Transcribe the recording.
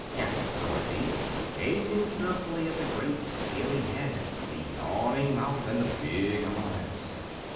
asked Dorothy, gazing fearfully at the great scaley head, the yawning mouth and the big eyes.